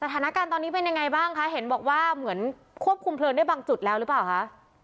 สถานการณ์ตอนนี้เป็นยังไงบ้างคะเห็นบอกว่าเหมือนควบคุมเพลิงได้บางจุดแล้วหรือเปล่าคะ